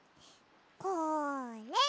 これ！